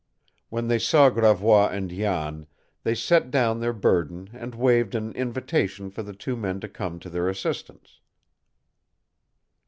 When they saw Gravois and Jan, they set down their burden and waved an invitation for the two men to come to their assistance.